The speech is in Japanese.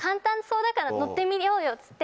乗ってみようよっつって。